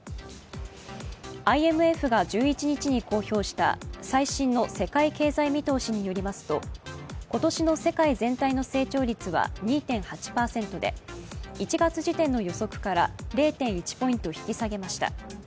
ＩＭＦが１１日に公表した最新の世界経済見通しによりますと今年の世界全体の成長率は２．８％で１月時点の予測から０．１ポイント引き下げました。